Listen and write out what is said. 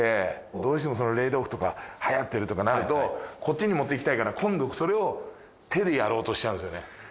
どうしてもレイドオフとかはやってるとかなるとこっちに持っていきたいから今度それを手でやろうとしちゃうんですよね。